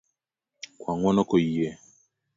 Kwa ng'uono koyie.